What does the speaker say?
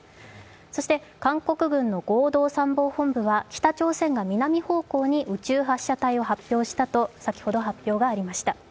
そして、韓国軍の合同参謀本部は北朝鮮が南方向に宇宙発射体を発射したと先ほど発表がありました。